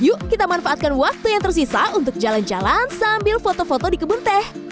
yuk kita manfaatkan waktu yang tersisa untuk jalan jalan sambil foto foto di kebun teh